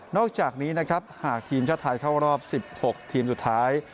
อกจากนี้นะครับหากทีมชาติไทยเข้ารอบ๑๖ทีมสุดท้าย